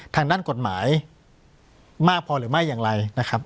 ทางด้านกฎหมายมากพอหรือไม่อย่างไรนะครับ